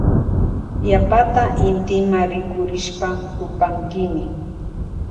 Yapata intima rikurishpa rupankimi.